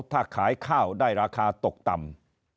ถ้าขายข้าวได้ราคาตกต่ำ